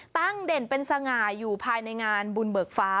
เด่นเป็นสง่าอยู่ภายในงานบุญเบิกฟ้า